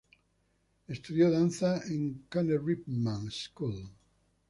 Estudió danza en Cone-Ripman School.